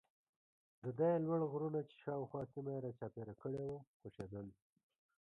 د ده یې لوړ غرونه چې شاوخوا سیمه یې را چاپېره کړې وه خوښېدل.